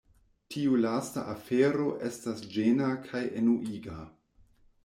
Tiu lasta afero estas ĝena kaj enuiga.